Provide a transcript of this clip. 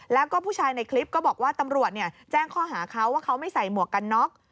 แล้วก็ผู้ชายในคลิปก็บอกว่าตำรวจแจ้งข้อหาเขาว่าเขาไม่ใส่หมวกกันน็อก